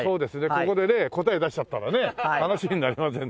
ここでね答え出しちゃったらね話になりません。